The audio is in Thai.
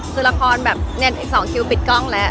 คือละครแบบเนี่ยอีก๒คิวปิดกล้องแล้ว